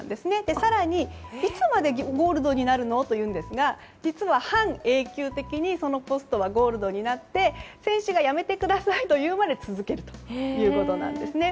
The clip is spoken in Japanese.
更に、いつまでゴールドになるの？というんですが実は、半永久的にそのポストはゴールドになって選手がやめてくださいと言うまで続けるということです。